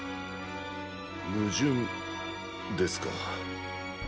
矛盾ですか。